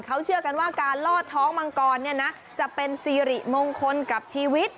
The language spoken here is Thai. เขาเชื่อกันว่าการลอดท้องมังกรเนี่ยนะจะเป็นซีริมงคลกับชีวิต